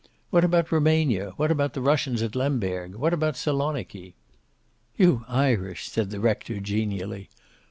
"What about Rumania? What about the Russians at Lemberg? What about Saloniki?" "You Irish!" said the rector, genially.